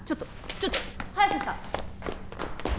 ちょっと早瀬さん